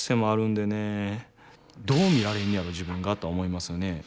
どう見られんねやろ自分がとは思いますよね。